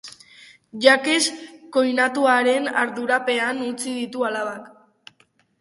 Jacques koinatuaren ardurapean utzi ditu alabak.